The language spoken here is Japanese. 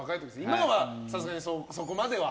今は、さすがにそこまでは？